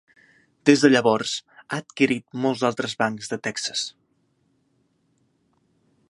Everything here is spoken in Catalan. Des de llavors, ha adquirit molts altres bancs de Texas.